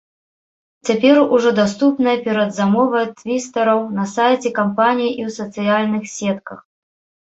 Цяпер ужо даступная перадзамова твістараў на сайце кампаніі і ў сацыяльных сетках.